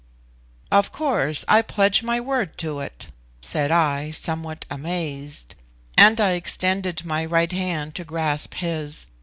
"Of course I pledge my word, to it," said I, somewhat amazed; and I extended my right hand to grasp his.